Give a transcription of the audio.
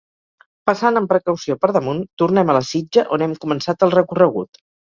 Passant amb precaució per damunt, tornem a la sitja on hem començat el recorregut.